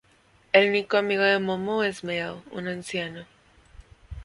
El único amigo de Momo es Mail, un anciano.